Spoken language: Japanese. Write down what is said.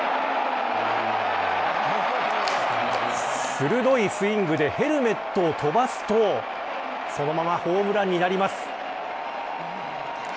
鋭いスイングでヘルメットを飛ばすとそのままホームランになります。